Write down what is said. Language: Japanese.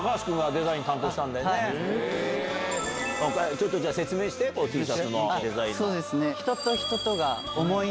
ちょっと説明してＴシャツのデザイン。